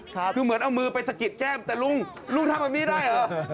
คือเหมือนเอามือไปสะกิดแก้มแต่ลุงลุงทำแบบนี้ได้เหรอ